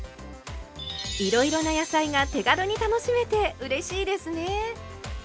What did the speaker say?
いろいろな野菜が手軽に楽しめてうれしいですね。